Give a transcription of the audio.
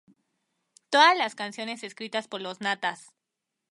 Todas las canciones escritas por Los Natas